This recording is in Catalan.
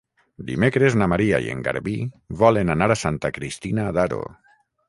Dimecres na Maria i en Garbí volen anar a Santa Cristina d'Aro.